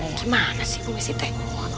gimana sih bu messi teh